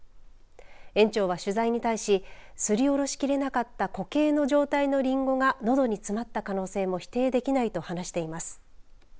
園長は取材に対しすりおろしきれなかった固形の状態のりんごがのどに詰まった可能性も否定できないと話しています。